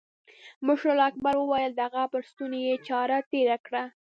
مشر الله اکبر وويل د هغه پر ستوني يې چاړه تېره کړه.